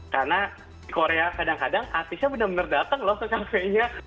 karena di korea kadang kadang artisnya benar benar datang loh ke kafe nya